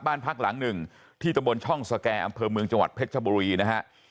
บ้านพักหลังหนึ่งที่ตะบนช่องสแก่อำเภอเมืองจังหวัดเพชรชบุรีนะฮะ